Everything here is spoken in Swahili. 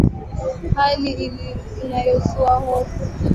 hali inayozua hofu